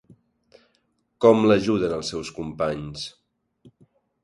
Com l'ajuden els seus companys?